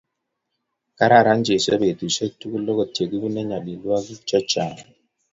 Kararan Jeso betushiek tukul akot yekibune nyalilwogike che chang